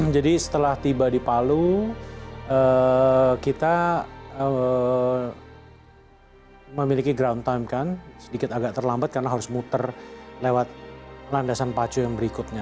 jadi setelah tiba di palu kita memiliki ground time kan sedikit agak terlambat karena harus muter lewat landasan pacu yang berikutnya